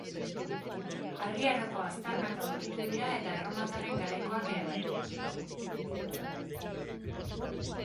Harri Aroko aztarnak aurkitu dira eta erromatarren garaikoak ere bai.